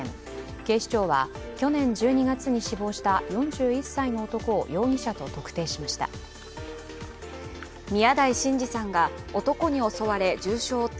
警視庁は去年１２月に死亡した４１歳の男を容疑者と特定しました。